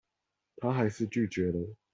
她還是拒絕了